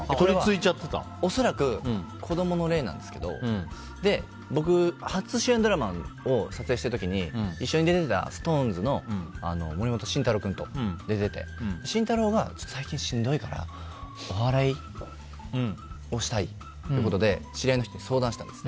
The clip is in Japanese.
恐らく、子供の霊なんですけど僕、初主演ドラマを撮影してる時に一緒にＳｉｘＴＯＮＥＳの森本慎太郎君と出てて慎太郎がちょっと最近、しんどいからおはらいをしたいということで知り合いの人に相談したんです。